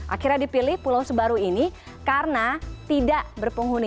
akhirnya dipilih pulau sebaru ini karena tidak berpenghuni